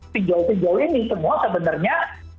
sejauh pinjol ini semua sebenarnya